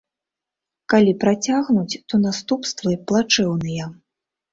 Калі прыцягнуць, то наступствы плачэўныя.